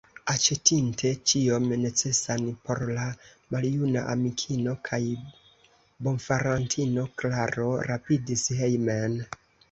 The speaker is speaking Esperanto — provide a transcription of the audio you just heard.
Aĉetinte ĉion necesan por la maljuna amikino kaj bonfarantino, Klaro rapidis hejmen.